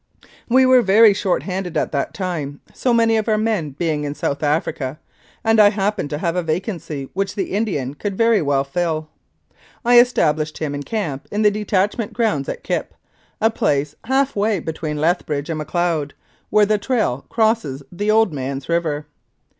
We were very short handed at that time, so many of our men being in South Africa, and I happened to have a vacancy which the Indian could very well fill. I established him in camp in the detachment grounds at Kipp, a place half way between Lethbridge and Macleod, where the trail crosses the Old Man's River.